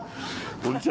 こんにちは。